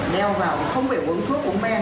đeo vào thì không phải uống thuốc uống men